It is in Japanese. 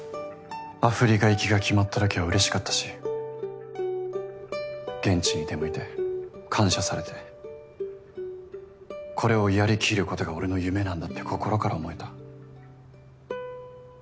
アフリカ行きが決まったときはうれしかったし現地に出向いて感謝されてこれをやりきることが俺の夢なんだって心から思えた。